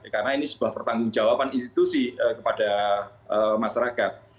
karena ini sebuah pertanggung jawaban institusi kepada masyarakat